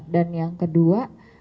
dan yang kedua